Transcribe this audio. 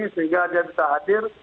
sehingga dia bisa hadir